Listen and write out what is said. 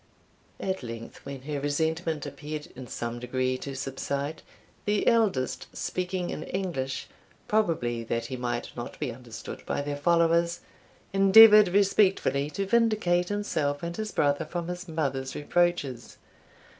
At length when her resentment appeared in some degree to subside, the eldest, speaking in English, probably that he might not be understood by their followers, endeavoured respectfully to vindicate himself and his brother from his mother's reproaches.